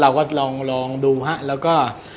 เราก็ลองดูฮะแล้วก็